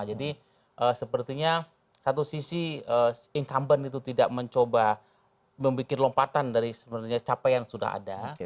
jadi sepertinya satu sisi incumbent itu tidak mencoba membuat lompatan dari sebenarnya capaian yang sudah ada